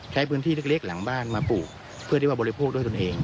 ใช้พื้นที่เล็กหลังบ้านมาปลูกเพื่อที่ว่าบริโภคด้วยตนเอง